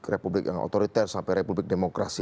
republik yang otoriter sampai republik demokrasi